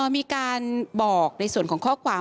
มีการบอกในส่วนของข้อความ